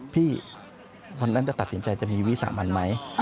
วันนั้นจะตัดสินใจจะมีวิสามันไหม